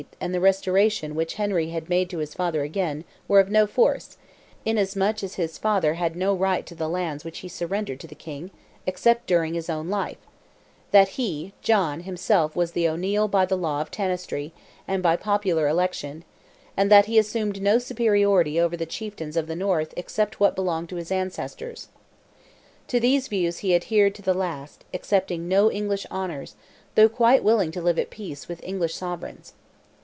and the restoration which Henry made to his father again were of no force; inasmuch as his father had no right to the lands which he surrendered to the King, except during his own life; that he (John) himself was the O'Neil by the law of Tanistry, and by popular election; and that he assumed no superiority over the chieftains of the North except what belonged to his ancestors." To these views he adhered to the last, accepting no English honours, though quite willing to live at peace with English sovereigns.